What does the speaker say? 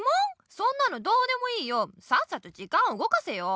そんなのどうでもいいよさっさと時間をうごかせよ。